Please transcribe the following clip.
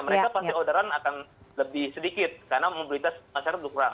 mereka pasti orderan akan lebih sedikit karena mobilitas masyarakat berkurang